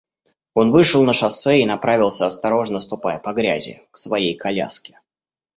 Он вышел на шоссе и направился, осторожно ступая по грязи, к своей коляске.